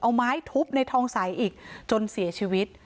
เอาไม้ทุบในทองใสอีกจนเสียชีวิต